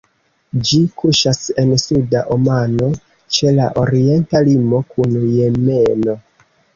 Ĝi kuŝas en Suda Omano, ĉe la orienta limo kun Jemeno.